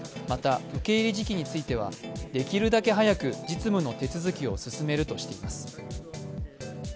また、受け入れ時期についてはできるだけ早く実務の手続きを進めるとしています。